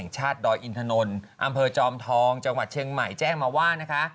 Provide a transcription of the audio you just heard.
จังหวัดเชียงใหม่แจ้งมาว่านะคะ